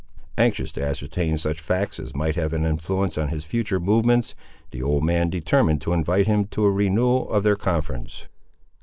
Anxious to ascertain such facts as might have an influence on his future movements, the old man determined to invite him to a renewal of their conference.